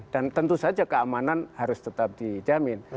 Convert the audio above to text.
dan tentu saja keamanan harus tetap dijamin